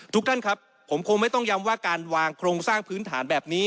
ทุกท่านครับผมคงไม่ต้องย้ำว่าการวางโครงสร้างพื้นฐานแบบนี้